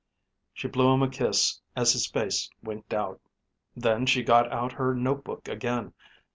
She blew him a kiss as his face winked out. Then she got out her notebook again.